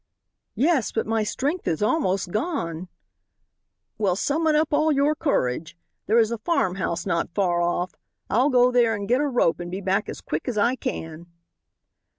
"Yes, but my strength is almost gone." "Well, summon up all your courage. There is a farm house not far off. I'll go there and get a rope and be back as quick as I can."